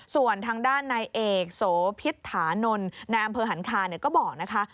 ส่วนทางด้านนายเอกโสพิษฐานนท์ในอำเภอหันคาก็บอกนะคะ